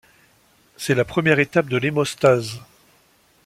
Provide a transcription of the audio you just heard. C'est la première étape de l'hémostase.